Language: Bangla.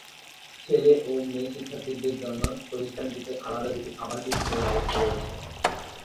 ছেলে ও মেয়ে শিক্ষার্থীদের জন্য প্রতিষ্ঠানটিতে আলাদা দুটি আবাসিক হলের ব্যবস্থা রয়েছে।